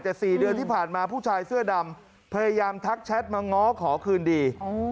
แต่๔เดือนที่ผ่านมาผู้ชายเสื้อดำพยายามทักแชทมาง้อขอคืนดี